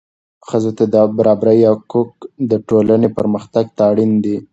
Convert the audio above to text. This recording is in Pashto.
ښځو ته د برابرۍ حق د ټولنې پرمختګ ته اړین دی.